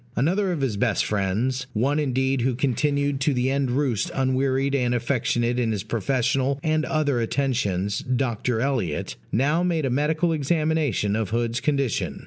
Another of his best friends one indeed who continued to the end roost unwearied and affectionate in his professional and other attentions, Dr. Elliot now made a medical examination of Hood's condition.